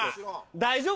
大丈夫。